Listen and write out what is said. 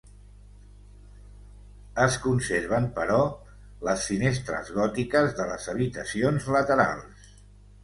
Es conserven, però, les finestres gòtiques de les habitacions laterals.